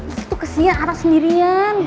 itu kesian arah sendirian